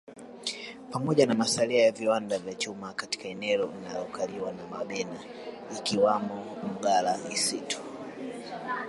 Pamoja masalia ya viwanda vya chuma katika eneo linalokaliwa na Wabena ikiwamno Mgala Isitu